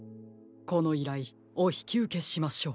このいらいおひきうけしましょう。